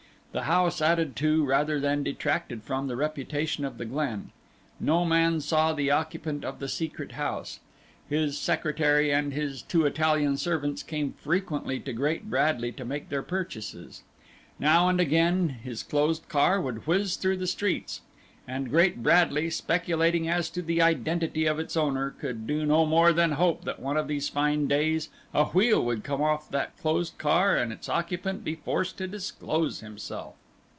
The house added to, rather than detracted from, the reputation of the glen; no man saw the occupant of the Secret House; his secretary and his two Italian servants came frequently to Great Bradley to make their purchases; now and again his closed car would whizz through the streets; and Great Bradley, speculating as to the identity of its owner, could do no more than hope that one of these fine days a wheel would come off that closed car and its occupant be forced to disclose himself.